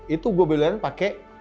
itu gue beli belahin pake